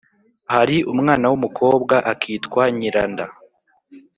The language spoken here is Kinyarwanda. hari umwana w'umukobwa, akitwa nyiranda.